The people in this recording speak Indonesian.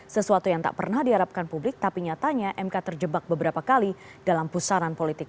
sesuatu yang tak pernah diharapkan publik tapi nyatanya mk terjebak beberapa kali dalam pusaran politik